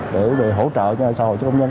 để hỗ trợ cho xã hội cho công nhân